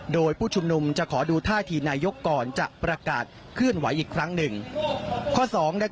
โดยผู้ชุมนุมจะขอดูท่าทีนายกก่อนจะประกาศเคลื่อนไหวอีกครั้งหนึ่ง